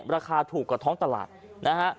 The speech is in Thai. ราคาถูกกว่าท้องตลาดนะฮะ